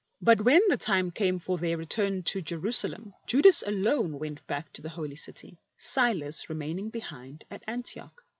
But when the time came for their return to Jerusalem, Judas alone went back to the Holy City, Silas remaining behind at Antioch.